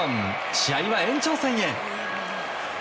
試合は延長戦へ。